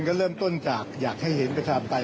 ทุกคนก็เริ่มต้นจากอยากให้เห็นประชาปน์ใต้